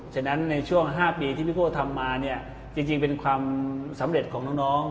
ฉะนั้นในช่วง๕ปีที่พี่โก้ทำมาเนี่ยจริงเป็นความสำเร็จของน้อง